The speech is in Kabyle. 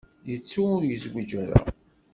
Yettu ur yezwiǧ ara.